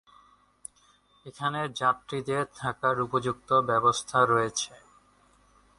এখানে যাত্রীদের থাকার উপযুক্ত ব্যবস্থা রয়েছে।